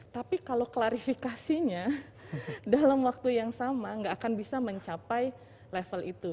tapi kalau klarifikasinya dalam waktu yang sama nggak akan bisa mencapai level itu